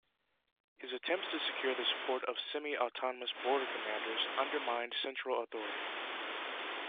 His attempts to secure the support of semi-autonomous border commanders undermined central authority.